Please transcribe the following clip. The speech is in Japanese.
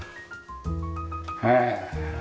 へえ。